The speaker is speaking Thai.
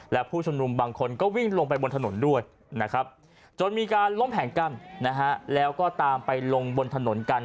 และผู้ชุมนุมบางคนก็วิ่งลงไปบนถนนด้วยนะครับจนมีการล้มแผงกั้นนะฮะแล้วก็ตามไปลงบนถนนกัน